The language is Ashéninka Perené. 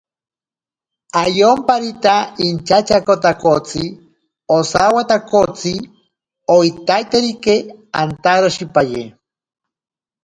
Ayomparita inchatyaakotakotsi osawatakotsi oitaiterike antaroshipaye.